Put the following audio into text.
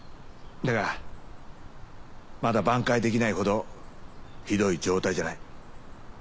だがまだ挽回できないほどひどい状態じゃない。